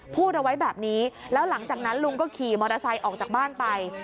พูดเอาไว้แบบนี้แล้วหลังจากนั้นลุงก็ขี่มอเตอร์ไซค์ออกจากบ้านไป